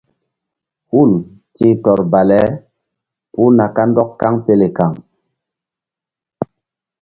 Hul ti̧h tɔr bale puh na kandɔk kaŋpele kaŋ.